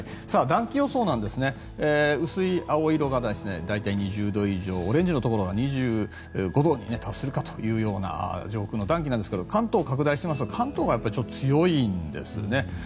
暖気予想ですが薄い青色が大体２０度以上オレンジのところが２５度に達するかというような上空の暖気なんですが関東拡大しますと関東が強いんですね。